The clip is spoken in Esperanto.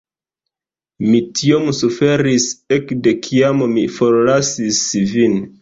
Mi tiom suferis ekde kiam mi forlasis vin.